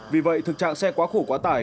vì vậy thực trạng xe quá khổ quá tải